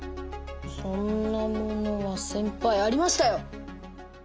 そんなものはせんぱいありましたよ！